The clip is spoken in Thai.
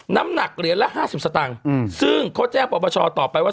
น้ำหนักเหรียญละห้าสิบสตางค์ซึ่งเขาแจ้งประประชาตอบไปว่า